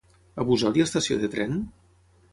A Busot hi ha estació de tren?